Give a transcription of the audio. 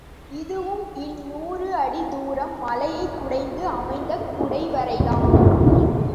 இதுவும் இருநூறு அடி தூரம் மலையைக் குடைந்து அமைத்த குடைவரைதான்.